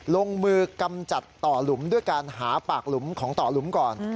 ลงมือกำจัดต่อหลุมด้วยการหาปากหลุมของต่อหลุมก่อน